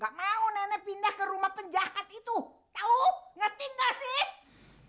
gak mau nenek pindah ke rumah penjahat itu tahu ngerti nggak sih